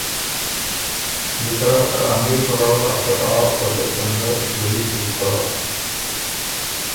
بی طرف ته امیر پلؤ لاسته آ پروپېګنډه شُوري سُک که